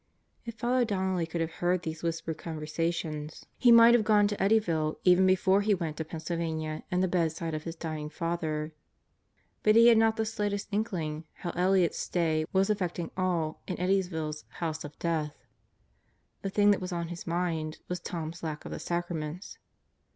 If Father Donnelly could have heard these whispered conversa 92 God Goes to Murderers Row tions he might have gone to Eddyville even before he went to Pennsylvania and the bedside of his dying father. But he had no slightest inkling how Elliott's stay was affecting all in Eddy ville's House of Death. The thing that was on his mind was Tom's lack of the Sacraments.